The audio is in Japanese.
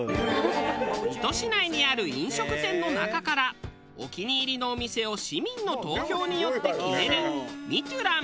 水戸市内にある飲食店の中からお気に入りのお店を市民の投票によって決める水戸ュラン。